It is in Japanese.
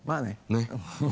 ねっ。